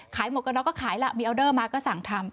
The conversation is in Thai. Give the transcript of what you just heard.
หมวกกระน็อกก็ขายล่ะมีออเดอร์มาก็สั่งทำ